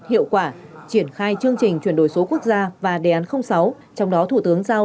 hiệu quả triển khai chương trình chuyển đổi số quốc gia và đề án sáu trong đó thủ tướng giao